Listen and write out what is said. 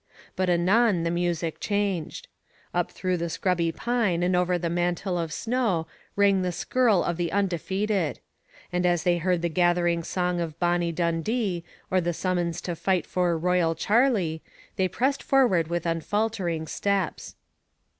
But anon the music changed. Up through the scrubby pine and over the mantle of snow rang the skirl of the undefeated; and as they heard the gathering song of Bonnie Dundee or the summons to fight for Royal Charlie, they pressed forward with unfaltering steps.